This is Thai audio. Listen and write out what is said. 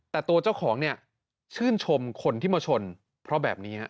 แต่ตัวเจ้าของเนี่ยชื่นชมคนที่มาชนเพราะแบบนี้ฮะ